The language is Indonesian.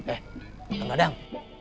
eh kang dadang